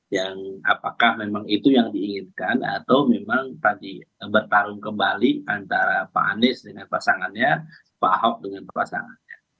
yang apakah memang itu yang diinginkan atau memang tadi bertarung kembali antara pak anies dengan pasangannya pak ahok dengan pasangannya